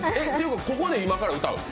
ここで今から歌う？